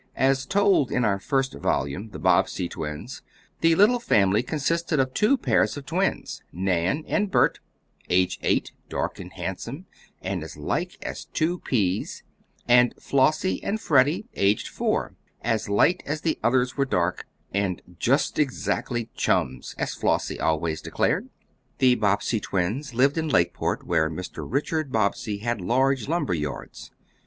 As told in our first volume, "The Bobbsey Twins," the little family consisted of two pairs of twins, Nan and Bert, age eight, dark and handsome, and as like as two peas, and Flossie and Freddie, age four, as light as the others were dark, and "just exactly chums," as Flossie always declared. The Bobbsey twins lived at Lakeport, where Mr. Richard Bobbsey had large lumber yards.